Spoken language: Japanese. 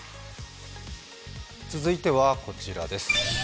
続いてはこちらです。